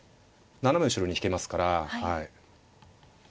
斜め後ろに引けますから。